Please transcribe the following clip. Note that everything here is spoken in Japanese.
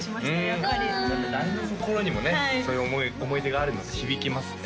やっぱりやっぱ誰の心にもねそういう思い出があるので響きますね